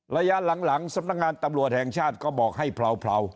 ระยะหลังสำนักงานตำรวจแห่งชาติก็บอกให้เผลา